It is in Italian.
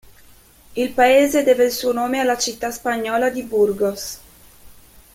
Il paese deve il suo nome alla città spagnola di Burgos.